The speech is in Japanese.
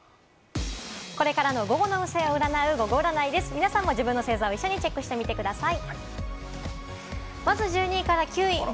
皆さんも自分の星座を一緒にチェックしてみてください。